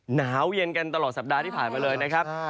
หนาวเย็นกันตลอดสัปดาห์ที่ผ่านมาเลยนะครับ